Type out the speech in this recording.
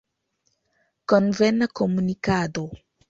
Konvena komunikado.